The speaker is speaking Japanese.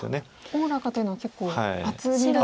おおらかというのは結構厚みだったり。